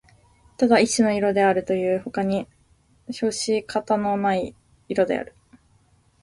ただ一種の色であるというよりほかに評し方のない色である